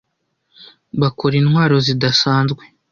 Bakora intwaro zidasanzwe.